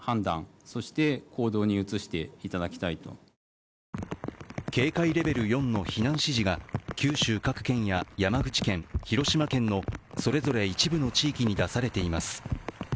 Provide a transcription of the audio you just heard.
更に警戒レベル４の避難指示が九州各県や山口県広島県のそれぞれ一部の地域に出されています